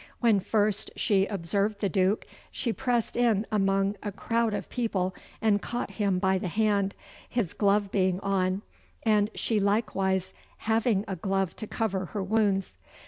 When first she observed the Duke she pressed in among a crowd of people and caught him by the hand, his glove being on, and she likewise having a glove to cover her wounds.